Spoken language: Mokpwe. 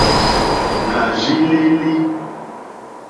Nà rzí lélí.